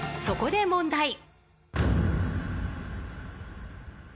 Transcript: ［そこで問題］